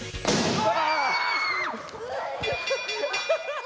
うわ！